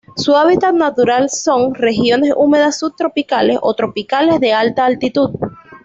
Su hábitat natural son: regiones húmedas subtropicales o tropicales de alta altitud.